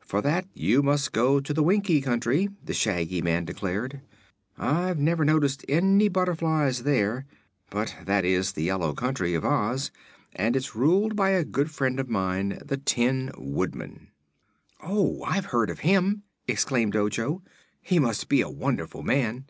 "For that you must go to the Winkie Country," the Shaggy Man declared. "I've never noticed any butterflies there, but that is the yellow country of Oz and it's ruled by a good friend of mine, the Tin Woodman." "Oh, I've heard of him!" exclaimed Ojo. "He must be a wonderful man."